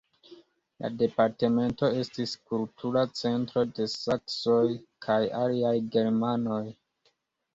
La departemento estis kultura centro de saksoj kaj aliaj germanoj.